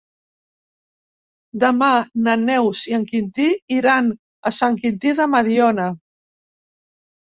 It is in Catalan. Demà na Neus i en Quintí iran a Sant Quintí de Mediona.